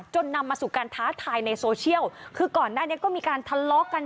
นำมาสู่การท้าทายในโซเชียลคือก่อนหน้านี้ก็มีการทะเลาะกัน